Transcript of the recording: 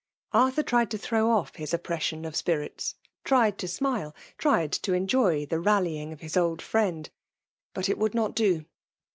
Arthur tried to tkrow off bis oppression of iB|Mrits; tried to smile; tried to enjoy tbe ral lying of his old friend ; but it would not do.